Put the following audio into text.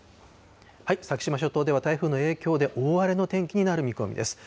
先島諸島では台風の影響で大荒れの天気になる見込みです。